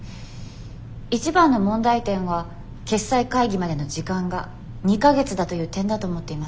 一番の問題点は決裁会議までの時間が２か月だという点だと思っています。